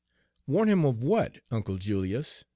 "Warn him of what, Uncle Julius?"